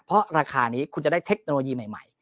เพราะราคานี้คุณจะได้เทคโนโลยีใหม่